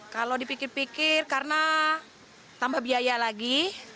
kalau dipikir pikir karena tambah biaya lagi